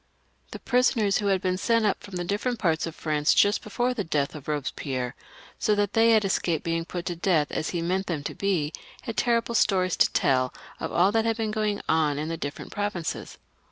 The prisoners who had been sent up from the different parts of Prance just before the death of Eobespierre, so that they had escaped being put to death as he meant them to be, had terrible stories to teU of all that had been going on in the different pro vinces.